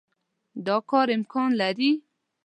دا کار امکان لري.